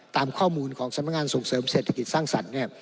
ตามข้อมูลของสำนักงานส่งเสริมเศรษฐกิจสร้างสรรค์เนี่ย